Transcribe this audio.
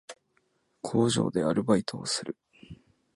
工場でアルバイトをする